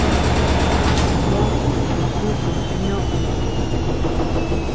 Juóm chinjukus niöo.